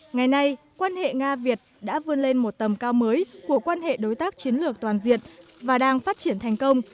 ngày nay quan hệ nga việt đã vươn lên một tầm cao mới của quan hệ đối tác chiến lược toàn diện và đang phát triển thành công